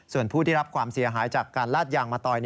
ส่วนผู้ที่รับความเสียหายจากการลาดยางมะตอย